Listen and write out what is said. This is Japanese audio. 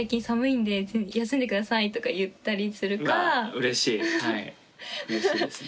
うれしいですね。